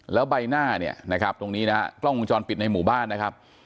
แล้วใบหน้าเนี่ยนะครับตรงนี้นะฮะกล้องวงจรปิดในหมู่บ้านนะครับ